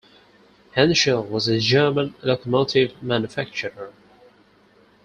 Henschel was a German locomotive manufacturer.